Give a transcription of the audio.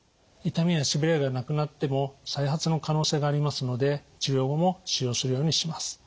痛みやしびれがなくなっても再発の可能性がありますので治療後も使用するようにします。